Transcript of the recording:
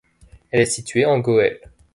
Elle est située en Gohelle.